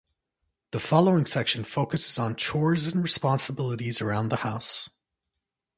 The following section focuses on chores and responsibilities around the house.